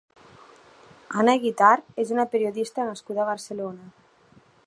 Anna Guitart és una periodista nascuda a Barcelona.